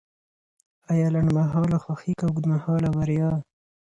ایا لنډمهاله خوښي که اوږدمهاله بریا؟